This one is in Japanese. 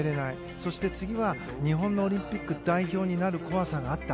そして次は日本のオリンピック代表になる怖さがあった。